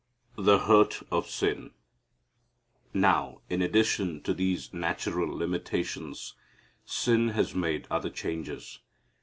The Hurt of Sin. Now, in addition to these natural limitations sin has made other changes.